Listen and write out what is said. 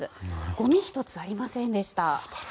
ゴミ１つありませんでした。